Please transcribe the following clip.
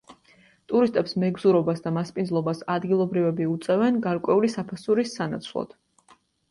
ტურისტებს მეგზურობას და მასპინძლობას ადგილობრივები უწევენ გარკვეული საფასურის სანაცვლოდ.